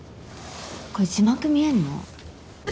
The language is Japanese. これ字幕見えるの？